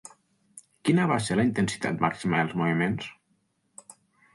Quina va ser la intensitat màxima dels moviments?